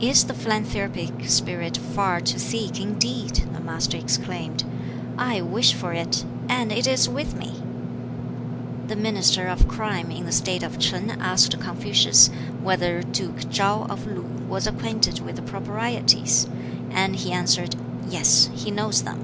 "Is the philanthropic spirit far to seek, indeed?" the Master exclaimed; "I wish for it, and it is with me!" The Minister of Crime in the State of Ch'in asked Confucius whether Duke Ch'an, of Lu was acquainted with the Proprieties; and he answered, "Yes, he knows them."